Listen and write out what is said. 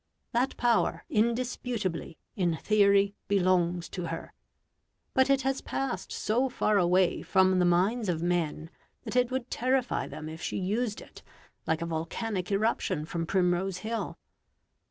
That power, indisputably, in theory, belongs to her; but it has passed so far away from the minds of men that it would terrify them, if she used it, like a volcanic eruption from Primrose Hill.